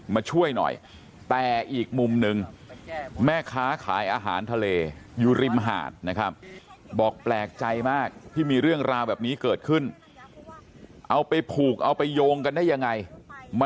มาช่วยหน่อยแต่อีกมุมหนึ่งแม่ค้าขายอาหารทะเลอยู่ริมหาดนะครับ